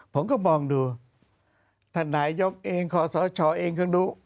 ผมก็มองดูท่านนายกเองขอสชเองก็รู้